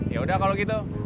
yaudah kalau gitu